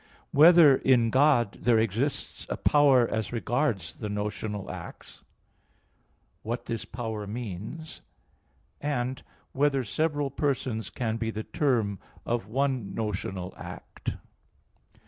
(4) Whether in God there exists a power as regards the notional acts? (5) What this power means? (6) Whether several persons can be the term of one notional act?